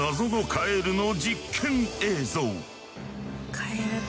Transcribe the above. カエルか。